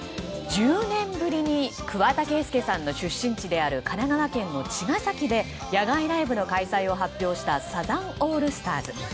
１０年ぶりに桑田佳祐さんの出身地である神奈川県の茅ヶ崎で野外ライブの開催を発表したサザンオールスターズ。